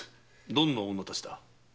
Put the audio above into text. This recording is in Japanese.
どんな女たちだ？